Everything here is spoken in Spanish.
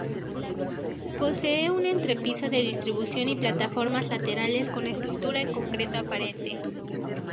Posee un entrepiso de distribución y plataformas laterales con estructura en concreto aparente.